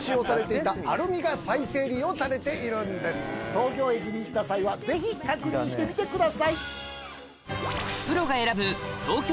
東京駅に行った際はぜひ確認してみてください。